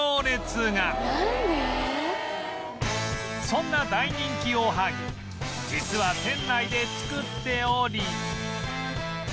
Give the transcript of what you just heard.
そんな大人気おはぎ実は店内で作っており